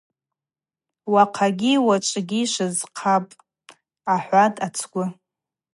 Уахъагьи уачӏвгьи йшвызхъапӏ, – ахӏватӏ ацгвы.